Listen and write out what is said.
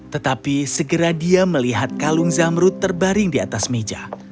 tetapi segera dia melihat kalung zamrut terbaring di atas meja